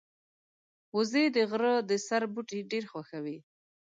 وزې د غره د سر بوټي ډېر خوښوي